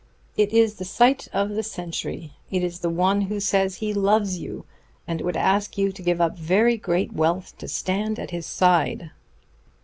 It is the sight of the century! It is the one who says he loves you, and would ask you to give up very great wealth to stand at his side."